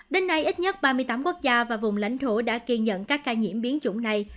đến nay ít nhất ba mươi tám quốc gia và vùng lãnh thổ đã ghi nhận các ca nhiễm biến chủng này